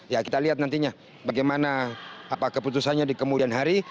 ya kita lihat nantinya bagaimana keputusannya di kemudian hari